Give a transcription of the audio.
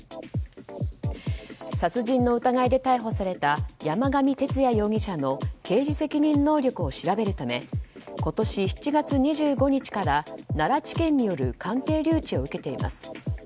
殺人の疑いで逮捕された山上徹也容疑者の刑事責任能力を調べるため今年７月２５日から奈良地検による鑑定留置を受けています。